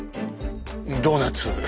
ドーナツ。